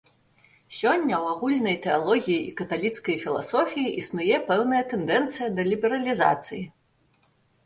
Сёння ў агульнай тэалогіі і каталіцкай філасофіі існуе пэўная тэндэнцыя да лібералізацыі.